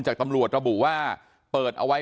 ตำรวจระบุว่าเปิดเอาไว้